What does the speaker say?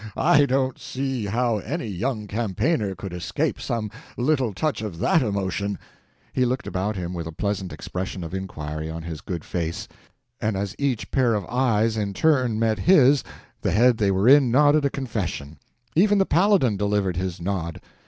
I don't see how any young campaigner could escape some little touch of that emotion." He looked about him with a pleasant expression of inquiry on his good face, and as each pair of eyes in turn met his head they were in nodded a confession. Even the Paladin delivered his nod.